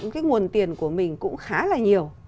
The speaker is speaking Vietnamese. cái nguồn tiền của mình cũng khá là nhiều